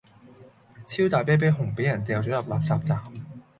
超大啤啤熊俾人掉左入垃圾站